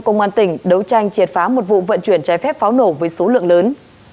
công an tỉnh đấu tranh triệt phá một vụ vận chuyển trái phép pháo nổ với số lượng lớn